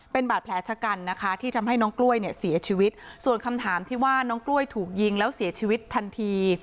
เป็นบาดแผลชะกันนะคะที่ทำให้น้องกล้วยเนี่ยเสียชีวิตส่วนคำถามที่ว่าน้องกล้วยถูกยิงแล้วเสียชีวิตทันที